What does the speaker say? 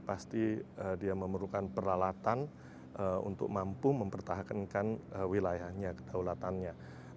pasti dia memerlukan peralatan untuk mampu mempertahankan wilayahnya kedaulatannya